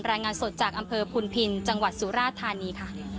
รายงานสดจากอำเภอพุนพินจังหวัดสุราธานีค่ะ